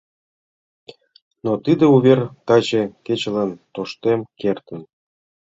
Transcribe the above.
Но тиде увер таче кечылан тоштем кертын.